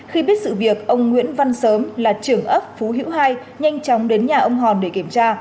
khi biết sự việc ông nguyễn văn sớm là trưởng ấp phú hữu hai nhanh chóng đến nhà ông hòn để kiểm tra